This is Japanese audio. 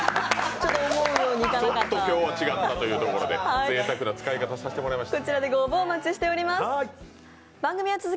ちょっと今日は違ったということで、ぜいたくな使い方をさせてもらいました。